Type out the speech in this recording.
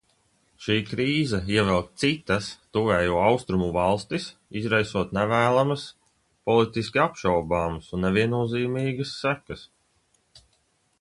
Šī krīze ievelk citas Tuvējo Austrumu valstis, izraisot nevēlamas, politiski apšaubāmas un neviennozīmīgas sekas.